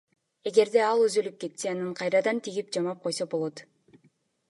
Эгерде ал үзүлүп кетсе аны кайрадан тигип, жамап койсо болот.